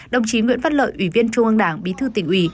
đồng chí nguyễn văn lợi ủy viên trung ương đảng bí thư tỉnh ủy